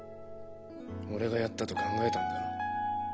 俺がやったと考えたんだろ？